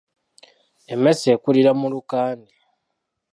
Emmese ekulira mu lukande.